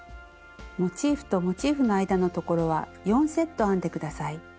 モチーフとモチーフの間のところは４セット編んで下さい。